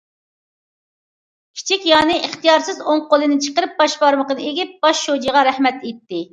كىچىك يانى ئىختىيارسىز ئوڭ قولىنى چىقىرىپ باش بارمىقىنى ئېگىپ، باش شۇجىغا« رەھمەت» ئېيتتى.